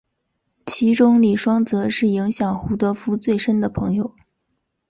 其中李双泽是影响胡德夫最深的朋友。